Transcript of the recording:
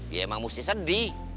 iya emang musti sedih